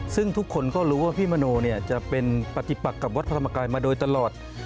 ซึ่งทุกคนก็รู้ว่าพี่มโนจะเป็นปฏิปักกับวัดพระธรรมกายมาโดยตลอด